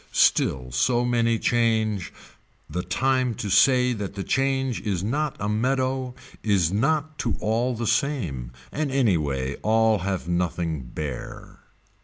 Still so many change, the time to say that the change is not a meadow is not to all the same and anyway all have nothing bare.